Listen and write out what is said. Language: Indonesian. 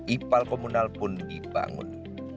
ipal komunal pun dibangun